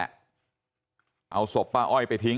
ครับคุณสาวทราบไหมครับ